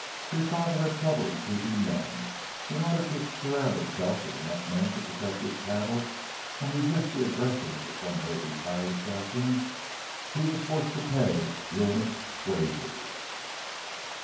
Your father had trouble in keeping men; in order to surround himself with enough men to protect his cattle and resist the aggressions of Dunlavey's hired assassins he was forced to pay ruinous wages.